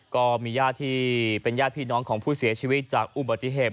ก็มีญาติที่เป็นญาติพี่น้องของผู้เสียชีวิตจากอุบัติเหตุ